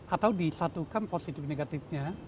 atau disatukan positif negatifnya